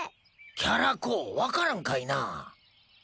キャラ公分かるんかいなあ？